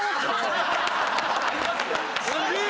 すげえ！